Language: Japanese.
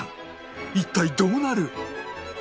一体どうなる！？